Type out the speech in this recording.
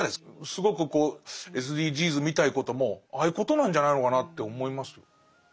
すごくこうＳＤＧｓみたいなこともああいうことなんじゃないのかなって思います。